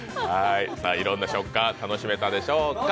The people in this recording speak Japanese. いろんな食感楽しめたでしょうか？